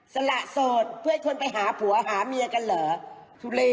สละโสดเพื่อให้คนไปหาผัวหาเมียกันเหรอ